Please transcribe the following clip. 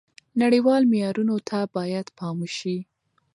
نړیوالو معیارونو ته باید پام وشي.